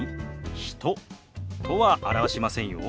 「人」とは表しませんよ。